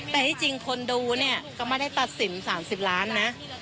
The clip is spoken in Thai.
แต่ที่จริงคนดูเนี่ยก็ไม่ได้ตัดสิน๓๐ล้านนะ